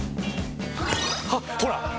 あっほら！